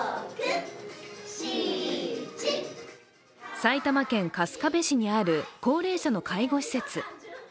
埼玉県春日部市にある高齢者の介護施設。